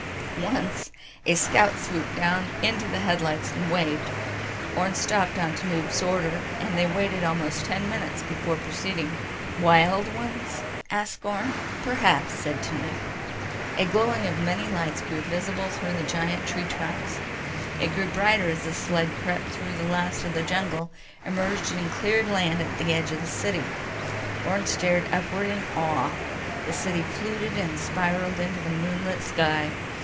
Once, a scout swooped down into the headlights, waved. Orne stopped on Tanub's order, and they waited almost ten minutes before proceeding. "Wild ones?" asked Orne. "Perhaps," said Tanub. A glowing of many lights grew visible through the giant tree trunks. It grew brighter as the sled crept through the last of the jungle, emerged in cleared land at the edge of the city. Orne stared upward in awe. The city fluted and spiraled into the moonlit sky.